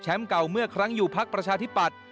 เก่าเมื่อครั้งอยู่พักประชาธิปัตย